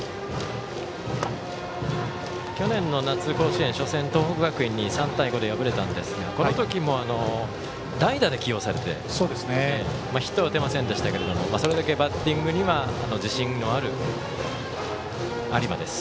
去年の夏、甲子園初戦、東北学院に３対５で敗れたんですがこの時も、代打で起用されてヒットは打てませんでしたがそれだけ、バッティングには自信もある有馬です。